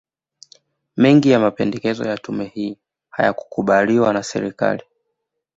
Mengi ya mapendekezo ya tume hii hayakukubaliwa na Serikali